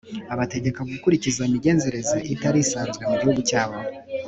abategeka gukurikiza imigenzereze itari isanzwe mu gihugu cyabo